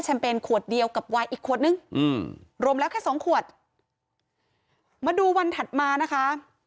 เปญขวดเดียวกับวายอีกขวดนึงอืมรวมแล้วแค่สองขวดมาดูวันถัดมานะคะ